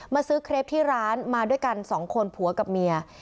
ซื้อเครปที่ร้านมาด้วยกันสองคนผัวกับเมีย